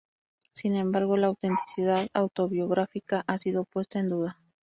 Sin embargo, la autenticidad autobiográfica ha sido puesta en duda.